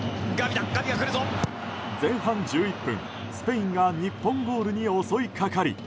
前半１１分、スペインが日本ゴールに襲いかかり。